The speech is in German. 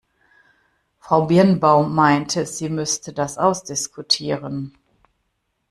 Frau Birnbaum meinte, sie müsste das ausdiskutieren.